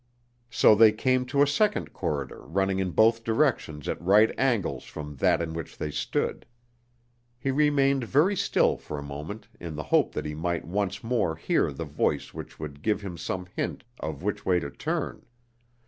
So they came to a second corridor running in both directions at right angles from that in which they stood. He remained very still for a moment in the hope that he might once more hear the voice which would give him some hint of which way to turn.